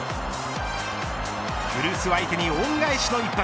古巣相手に恩返しの一発。